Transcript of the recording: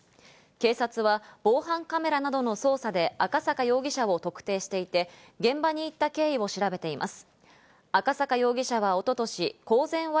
警察は防犯カメラなどの捜査で赤坂容疑者を特定していて、現場に行った経緯を調べています。